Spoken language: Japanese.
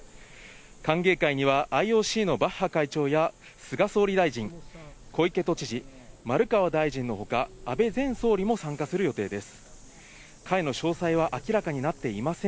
歓迎会には、ＩＯＣのバッハ会長や、菅総理大臣、小池都知事、丸川大臣のほか、安倍前総理も参加する予定です。